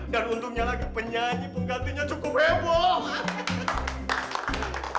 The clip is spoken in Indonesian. dan untungnya lagi penyanyi penggantinya cukup heboh